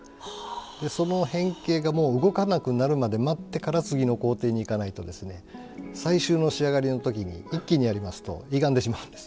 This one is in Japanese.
その変形が動かなくなるまで待ってから次の工程にいかないとですね最終の仕上がりの時に一気にやりますといがんでしまうんです。